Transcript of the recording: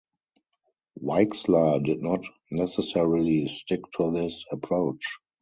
Weixler did not necessarily stick to this approach.